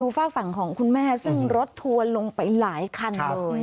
ฝากฝั่งของคุณแม่ซึ่งรถทัวร์ลงไปหลายคันเลย